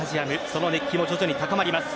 その熱気も徐々に高まります。